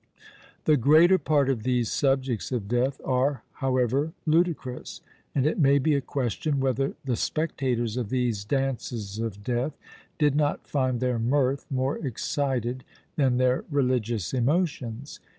The greater part of these subjects of death are, however, ludicrous; and it may be a question, whether the spectators of these Dances of Death did not find their mirth more excited than their religious emotions.